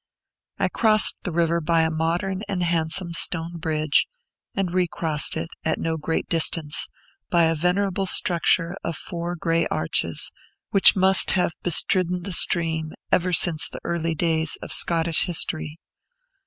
I crossed the river by a modern and handsome stone bridge, and recrossed it, at no great distance, by a venerable structure of four gray arches, which must have bestridden the stream ever since the early days of Scottish history.